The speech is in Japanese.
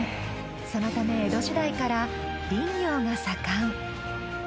そのため江戸時代から林業が盛ん。